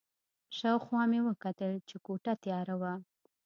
شا او خوا مې وکتل چې کوټه تیاره وه.